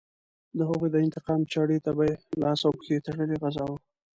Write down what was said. د هغوی د انتقام چاړې ته به یې لاس او پښې تړلې غځاوه.